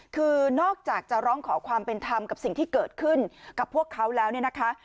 คือนอกจากจะร้องขอความเป็นธรรมกับสิ่งที่เกิดขึ้นกับพวกเขาแล้วเนี่ยนะคะ